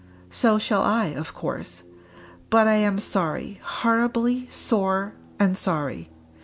So shall I, of course. But I am sorry horribly sore and sorry!